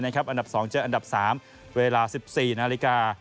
อันดับ๒เจออันดับ๓เวลา๑๔นาฬิกา